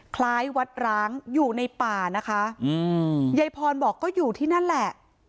คล้ายวัดร้างอยู่ในป่านะคะอืมยายพรบอกก็อยู่ที่นั่นแหละ